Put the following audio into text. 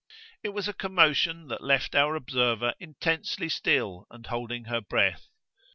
It was a commotion that left our observer intensely still and holding her breath.